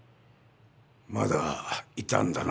まだいたんだな